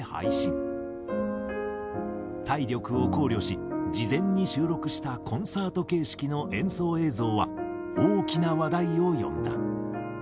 体力を考慮し事前に収録したコンサート形式の演奏映像は大きな話題を呼んだ。